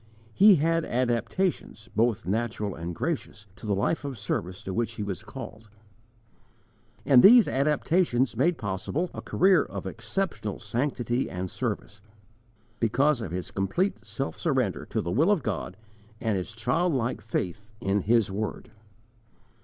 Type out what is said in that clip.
He had adaptations, both natural and gracious, to the life of service to which he was called, and these adaptations made possible a career of exceptional sanctity and service, because of his complete self surrender to the will of God and his childlike faith in His word.